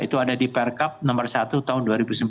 itu ada di perkap nomor satu tahun dua ribu sembilan belas